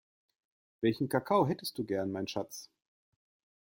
Welchen Kakao hättest du gern, mein Schatz?